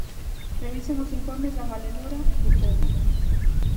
Revisen os informes da Valedora do Pobo.